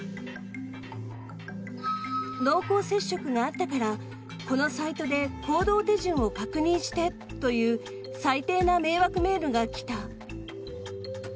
濃厚接触があったからこのサイトで行動手順を確認してという最低な迷惑メールが来た。